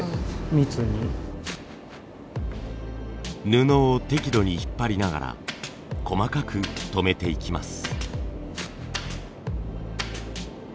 布を適度に引っ張りながら細かくとめていきます。